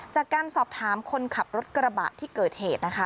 จากการสอบถามคนขับรถกระบะที่เกิดเหตุนะคะ